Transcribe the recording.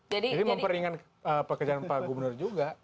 jadi memperingat pekerjaan pak gubernur juga